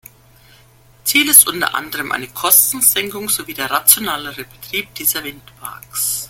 Ziel ist unter anderem eine Kostensenkung sowie der rationellere Betrieb dieser Windparks.